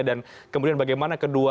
dan kemudian bagaimana kedua